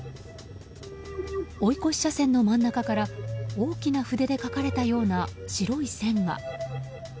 追い越し車線の真ん中から大きな筆で描かれたような白い線が。